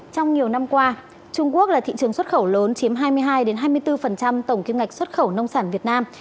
trong nhiều năm qua trung quốc là thị trường xuất khẩu lớn chiếm hai mươi hai hai mươi bốn tổng kim ngạch xuất khẩu nông sản việt nam